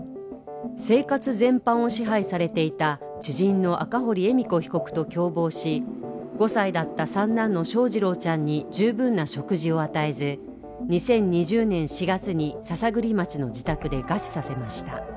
生活全般を支配されていた知人の赤堀恵美子被告と共謀し、５歳だった三男の翔士郎ちゃんに十分な食事を与えず２０２０年４月に篠栗町の自宅で餓死させました。